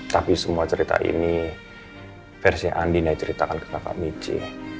tapi semua cerita ini versi andi yang ceritakan ke kakak michi